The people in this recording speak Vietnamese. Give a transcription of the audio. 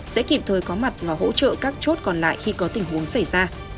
sẽ kịp thời có mặt và hỗ trợ các chốt còn lại khi có tình huống xảy ra